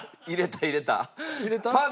入れた入れた。